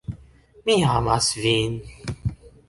Mi amas vin